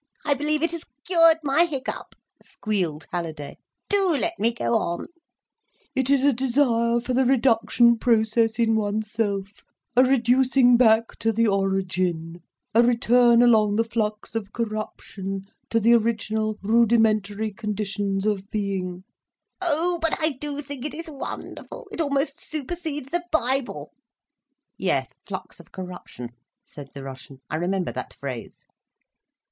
I believe it has cured my hiccup!" squealed Halliday. "Do let me go on. 'It is a desire for the reduction process in oneself, a reducing back to the origin, a return along the Flux of Corruption, to the original rudimentary conditions of being—!' Oh, but I do think it is wonderful. It almost supersedes the Bible—" "Yes—Flux of Corruption," said the Russian, "I remember that phrase."